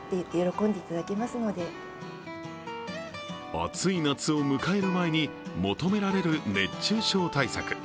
暑い夏を迎える前に求められる熱中症対策。